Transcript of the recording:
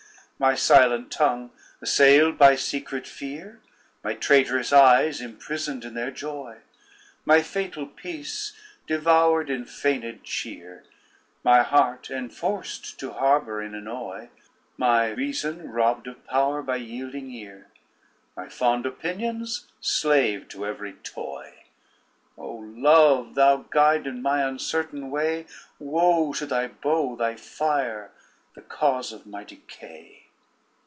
My silent tongue assailed by secret fear, My traitorous eyes imprisoned in their joy, My fatal peace devoured in feignèd cheer, My heart enforced to harbor in annoy, My reason robbed of power by yielding ear, My fond opinions slave to every toy. O Love! thou guide in my uncertain way, Woe to thy bow, thy fire, the cause of my decay.